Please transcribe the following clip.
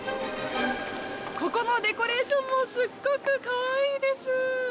ここのデコレーションもすっごく可愛いです。